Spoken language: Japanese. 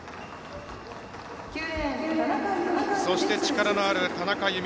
そして、力のある田中佑美。